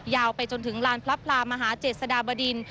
ยาวไปจนถึงลานพลับพลามหา๗สดาบดิน